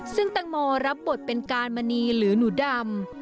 ซึ่งตังโมรับบทเป็นการมณีหรือหนูดำ